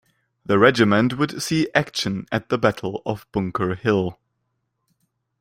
The regiment would see action at the Battle of Bunker Hill.